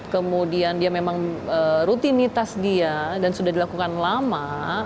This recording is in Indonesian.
kemudian dia memang rutinitas dia dan sudah dilakukan lama